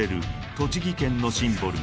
栃木県のシンボル